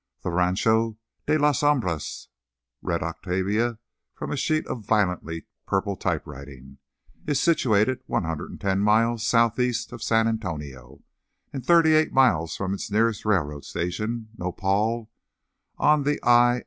"'The Rancho de las Sombras,'" read Octavia from a sheet of violently purple typewriting, "'is situated one hundred and ten miles southeast of San Antonio, and thirty eight miles from its nearest railroad station, Nopal, on the I.